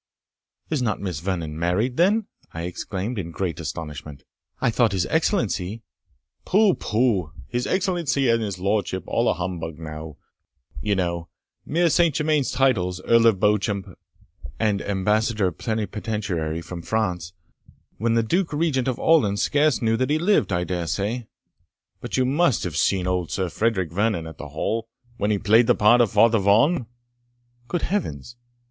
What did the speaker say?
"Is not Miss Vernon married, then?" I exclaimed, in great astonishment. "I thought his Excellency" "Pooh! pooh! his Excellency and his Lordship's all a humbug now, you know mere St. Germains titles Earl of Beauchamp, and ambassador plenipotentiary from France, when the Duke Regent of Orleans scarce knew that he lived, I dare say. But you must have seen old Sir Frederick Vernon at the Hall, when he played the part of Father Vaughan?" "Good Heavens!